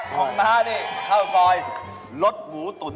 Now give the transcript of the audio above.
ของนานนี่ข้าวสอยรสหมูตุ๋น